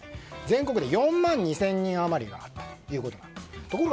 全国で４万２０００人余りだったということです。